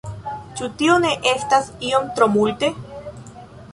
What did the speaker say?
Ĉu tio ne estas iom tro multe?